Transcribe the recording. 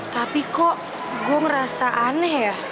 tapi kok gue ngerasa aneh ya